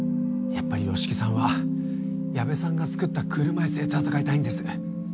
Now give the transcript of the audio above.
やっぱり吉木さんは矢部さんが作った車いすで戦いたいんです